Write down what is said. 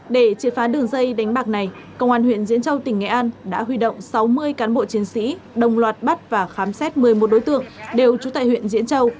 để triệt phá đường dây đánh bạc này công an huyện diễn châu tỉnh nghệ an đã huy động sáu mươi cán bộ chiến sĩ đồng loạt bắt và khám xét một mươi một đối tượng đều trú tại huyện diễn châu